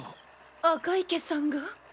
赤池さんが？